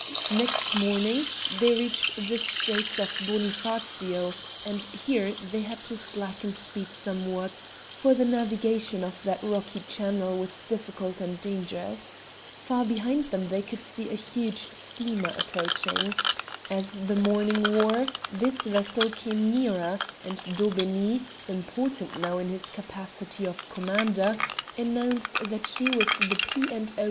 Next morning they reached the Straits of Bonifacio, and here they had to slacken speed somewhat, for the navigation of that rocky channel was difficult and dangerous. Far behind them they could see a huge steamer approaching. As the morning wore, this vessel came nearer, and Daubeney, important now in his capacity of commander, announced that she was the P. and O.